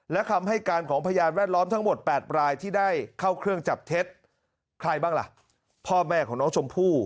และคำให้การของพยานแวดล้อมทั้งหมด๘รายที่ได้เข้าเครื่องจับเท็จ